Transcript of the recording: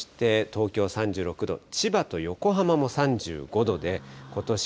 東京３６度、千葉と横浜も３５度で、ことし